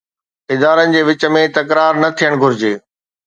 ادارن جي وچ ۾ تڪرار نه ٿيڻ گهرجي.